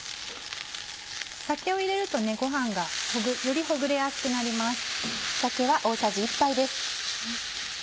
酒を入れるとご飯がよりほぐれやすくなります。